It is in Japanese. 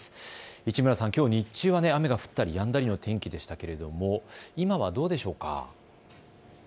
市村さん、きょう日中は雨が降ったりやんだりの天気でしたけれども今はどうでしょうか。